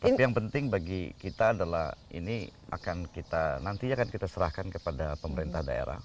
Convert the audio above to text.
tapi yang penting bagi kita adalah ini akan kita nantinya akan kita serahkan kepada pemerintah daerah